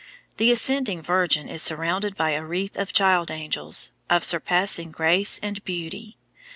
The ascending, Virgin is surrounded by a wreath of child angels, of surpassing grace and beauty.